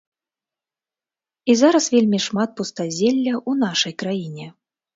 І зараз вельмі шмат пустазелля ў нашай краіне.